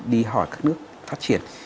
đi hỏi các nước phát triển